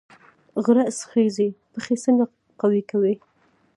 غره خیژي پښې څنګه قوي کوي؟